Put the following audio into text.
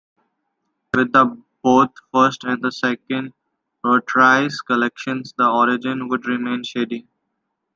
With both the first and the second Rottiers collections the origins would remain shady.